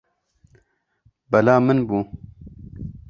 Bela min bû.